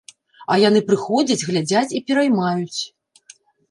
А яны прыходзяць, глядзяць і пераймаюць.